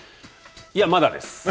いや、まだです。